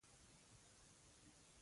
کاناډا ته تر راتګ څو ورځې وروسته.